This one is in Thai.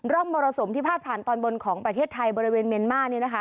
มรสุมที่พาดผ่านตอนบนของประเทศไทยบริเวณเมียนมาร์